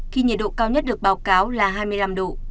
khi nhiệt độ cao nhất được báo cáo là hai mươi năm độ